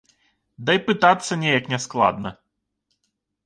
Дай пытацца неяк няскладна.